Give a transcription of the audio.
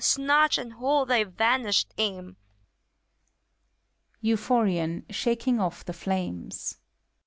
Snatch and hold thy vanished aim! BUPHORIOir (shaking off the flames).